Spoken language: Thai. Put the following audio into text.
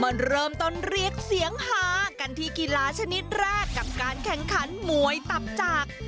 เริ่มต้นเรียกเสียงฮากันที่กีฬาชนิดแรกกับการแข่งขันมวยตับจาก